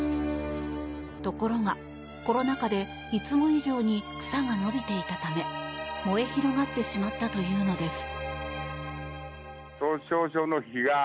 ところが、コロナ禍でいつも以上に草が伸びていたため燃え広がってしまったというのです。